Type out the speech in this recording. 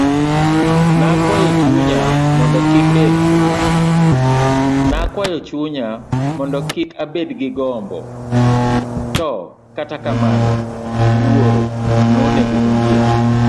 Nakwayo chunya mondo gik abed gi gombo, to kata kamano wuoro nonego ondiek.